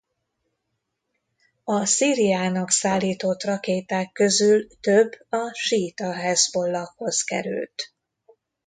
A Szíriának szállított rakéták közül több a síita Hezbollahhoz került.